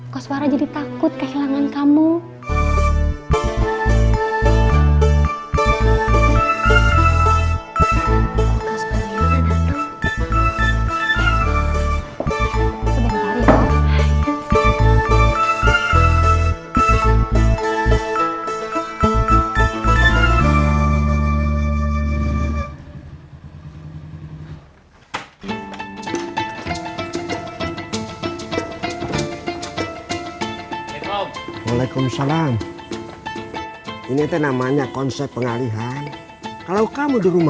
koswara jadi takut kehilangan kamu